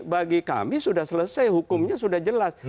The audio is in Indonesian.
bagi kami sudah selesai hukumnya sudah jelas